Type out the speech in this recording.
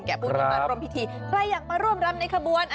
ผู้ที่มาร่วมพิธีใครอยากมาร่วมรำในขบวน